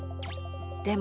でも。